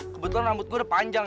kebetulan rambut saya sudah panjang